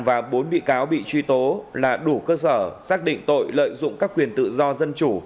và bốn bị cáo bị truy tố là đủ cơ sở xác định tội lợi dụng các quyền tự do dân chủ